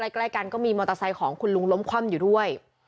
ใกล้กันก็มีมอเตอร์ไซค์ของคุณลุงล้มคว่ำอยู่ด้วย